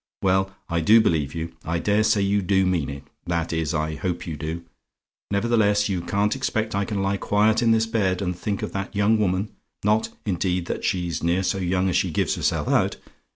Well, I do believe you. I dare say you do mean it; that is, I hope you do. Nevertheless, you can't expect I can lie quiet in this bed, and think of that young woman not, indeed, that she's near so young as she gives herself out.